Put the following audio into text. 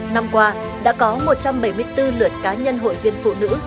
năm qua đã có một trăm bảy mươi bốn lượt cá nhân hội viên phụ nữ